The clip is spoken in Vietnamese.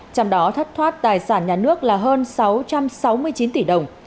trong đó thất thoát tài sản nhà nước là hơn sáu trăm sáu mươi chín tỷ đồng